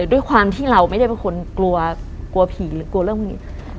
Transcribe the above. ด้วยความที่เราไม่ได้เป็นคนกลัวกลัวผีหรือกลัวเรื่องพวกนี้